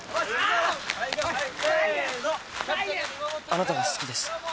あなたが好きです。